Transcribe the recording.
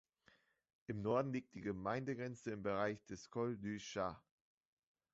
Im Norden liegt die Gemeindegrenze im Bereich des "Col du Chat".